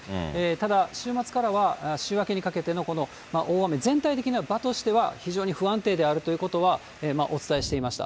ただ、週末からは、週明けにかけての大雨、全体的な場としては、非常に不安定であるということはお伝えしていました。